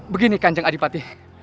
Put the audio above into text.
begini kanjeng adipati